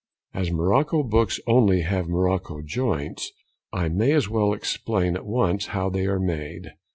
As morocco books only have morocco joints, I may as well explain at once how they are made.